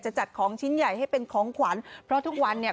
จัดของชิ้นใหญ่ให้เป็นของขวัญเพราะทุกวันเนี่ย